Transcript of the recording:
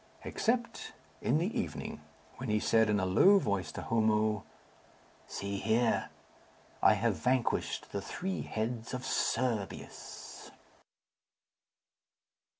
Except in the evening when he said in a low voice to Homo, "See here, I have vanquished the three heads of Cerberus."